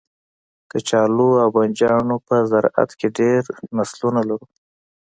کچالو او بنجانو په زرعت کې ډیر نسلونه لرو